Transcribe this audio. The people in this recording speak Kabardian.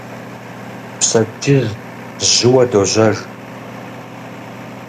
Пщэдджыжь жьыуэ дожьэж.